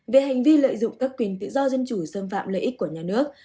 về hành vi lợi dụng các quyền tự do dân chủ xâm phạm lợi ích của nhà nước